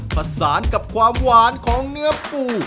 ผสานกับความหวานของเนื้อปู